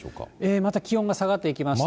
また気温が下がっていきまして。